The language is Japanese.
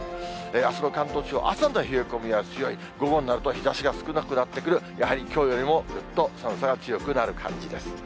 あすの関東地方、朝の冷え込みは強い、午後になると日ざしが少なくなってくる、やはりきょうよりもぐっと寒さが強くなる感じです。